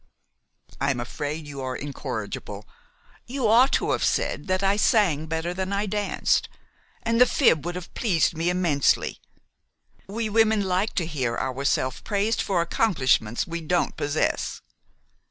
"I'm afraid you are incorrigible. You ought to have said that I sang better than I danced, and the fib would have pleased me immensely; we women like to hear ourselves praised for accomplishments we don't possess.